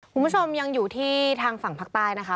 คุณผู้ชมยังอยู่ที่ทางฝั่งภาคใต้นะคะ